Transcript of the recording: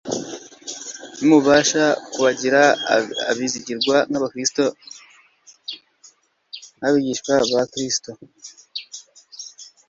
Nimubasha kubagira abizigirwa nk'abigishwa ba Kristo,